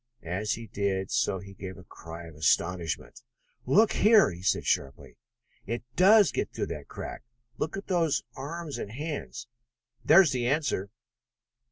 As he did so he gave a cry of astonishment. "Look here!" he said sharply. "It does get through that crack! Look at those arms and hands! There is the answer.